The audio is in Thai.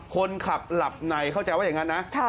คนขับหลับในเข้าใจว่าอย่างนั้นนะ